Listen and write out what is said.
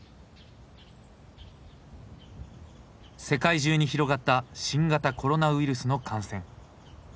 世界中に広がった新型コロナウイルスの感染。